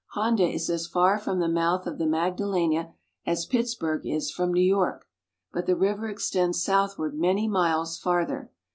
Honda is as far from the mouth of the Magdalena as Pittsburg is from New York, but the river extends south ward many miles far ther.